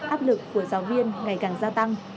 áp lực của giáo viên ngày càng gia tăng